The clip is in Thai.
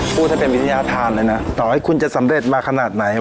พูดให้เป็นวิทยาธารเลยนะต่อให้คุณจะสำเร็จมาขนาดไหน